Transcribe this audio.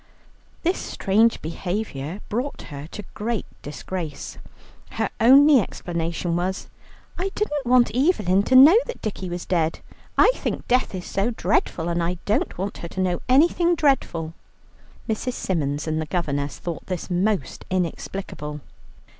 This strange behaviour brought her to great disgrace. Her only explanation was, "I didn't want Evelyn to know that Dickie was dead. I think death is so dreadful, and I don't want her to know anything dreadful." Mrs. Symons and the governess thought this most inexplicable.